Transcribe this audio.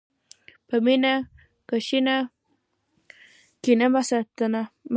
په مینه کښېنه، کینه مه ساته.